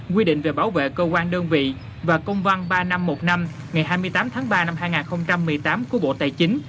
quy định về bảo vệ cơ quan đơn vị và công văn ba nghìn năm trăm một mươi năm ngày hai mươi tám tháng ba năm hai nghìn một mươi tám của bộ tài chính